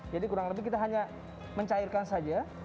jadi kurang lebih kita hanya mencairkan saja